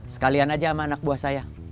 sekalian aja sama anak buah saya